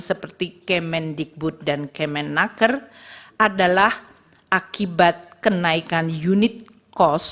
seperti kement digbud dan kement naker adalah akibat kenaikan unit kos